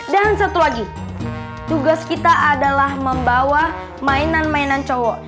satu lagi tugas kita adalah membawa mainan mainan cowok